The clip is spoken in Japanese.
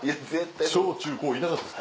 小・中・高いなかったです